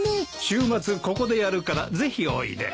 週末ここでやるからぜひおいで。